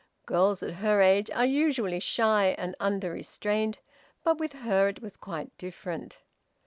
Girls at her age are usually shy and under restraint, but with her it was quite different.